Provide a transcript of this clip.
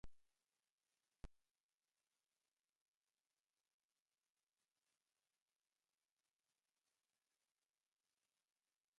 The film opened to largely negative reviews and bombed badly at the box office.